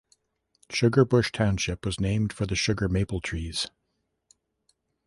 Sugar Bush Township was named for the sugar maple trees.